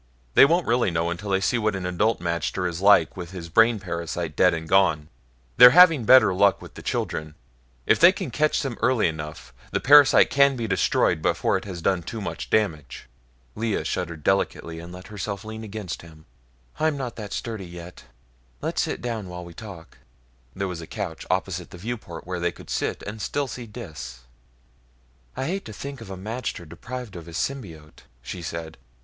"They won't really know until they see what an adult magter is like with his brain parasite dead and gone. They're having better luck with the children. If they catch them early enough, the parasite can be destroyed before it has done too much damage." Lea shuddered delicately and let herself lean against him. "I'm not that sturdy yet; let's sit down while we talk." There was a couch opposite the viewport where they could sit and still see Dis. "I hate to think of a magter deprived of his symbiote," she said.